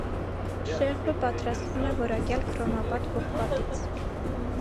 Շեղբը պատրաստվում է որակյալ քրոմապատ պողպատից։